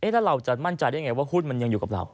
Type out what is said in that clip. แล้วเราจะมั่นใจได้ไงว่าหุ้นมันยังอยู่กับเรา